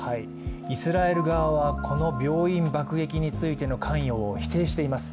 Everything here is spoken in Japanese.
イスラエル側はこの病院爆撃についての関与を否定しています。